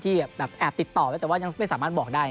ที่แอบติดต่อแต่ยังไม่สามารถบอกได้